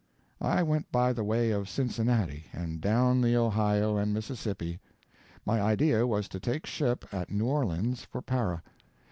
I went by the way of Cincinnati, and down the Ohio and Mississippi. My idea was to take ship, at New Orleans, for Para.